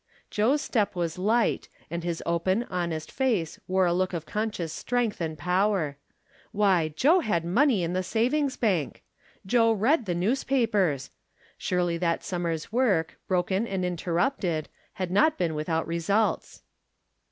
Joe's step was light, and his open, honest face wore a look of conscious strength and power. Why, Joe had money in the savings bank ! Joe 210 From Different Standpoints. read the newspapers ! Surely that summer's "work, broken and interrupted, had not been with out results.